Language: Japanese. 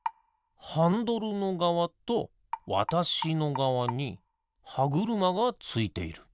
ハンドルのがわとわたしのがわにはぐるまがついている。